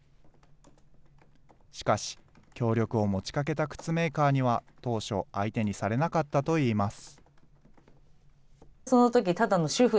しかし、協力を持ちかけた靴メーカーには、当初、相手にされなかったといいます。